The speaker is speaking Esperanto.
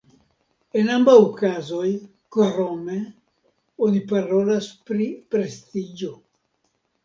En ambaŭ kazoj, krome, oni parolas pri prestiĝo.